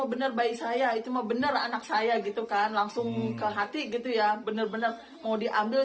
benar bayi saya itu mau bener anak saya gitu kan langsung ke hati gitu ya bener bener mau diambil